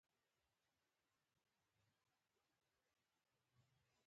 پښتانه په نړی کی تر ټولو غیرتی خلک دی